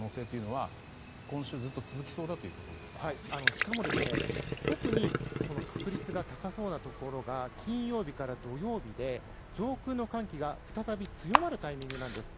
しかも特に確率が高そうなところが金曜日から土曜日で上空の寒気が再び強まるタイミングなんです。